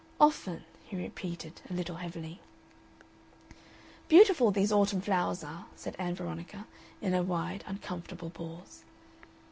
"Often," he repeated, a little heavily. "Beautiful these autumn flowers are," said Ann Veronica, in a wide, uncomfortable pause.